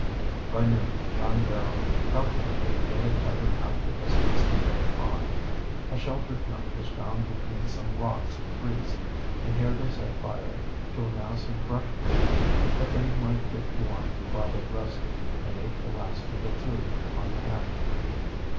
By noon John Barrow calculated they had covered half the distance to Bear Pond. A sheltered nook was found between some rocks and trees, and here they set fire to a mass of brushwood, that they might get warm while they rested, and ate the last of the food on hand.